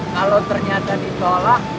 kalau ternyata ditolak